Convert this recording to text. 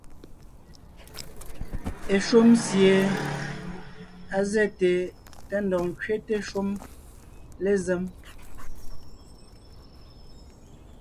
Eshúm sie á zɛ́te tá ńdɔg ńkẅéte shúm lézém.